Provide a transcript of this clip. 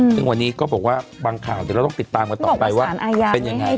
ซึ่งวันนี้ก็บอกว่าบางข่าวเดี๋ยวเราต้องติดตามกันต่อไปว่าเป็นยังไง